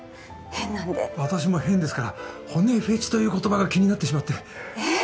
変なんで私も変ですから骨フェチという言葉が気になってしまってえっ？